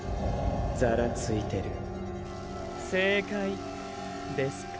ざらついてる正解ですか？